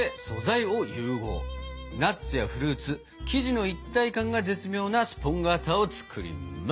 ナッツやフルーツ生地の一体感が絶妙なスポンガータを作ります！